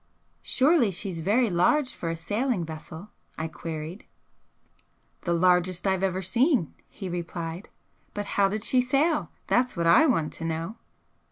"Surely she's very large for a sailing vessel?" I queried. "The largest I've ever seen," he replied "But how did she sail? That's what I want to know!"